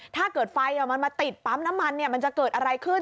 ถ้าเกิดไฟมันมาติดปั๊มน้ำมันมันจะเกิดอะไรขึ้น